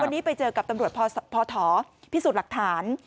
วันนี้ไปเจอกับตำรวจพอถอพิสูจน์หลักฐาน